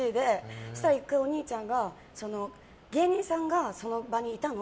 そうしたら、１回お兄ちゃんが芸人さんがその場にいたの？